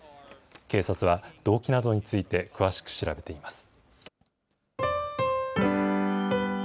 警察は、動機などについて詳しく調べています。